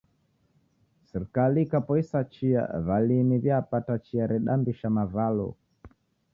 Sirikali ikapoisa chia, w'alimi wiapata chia redambisha mavalo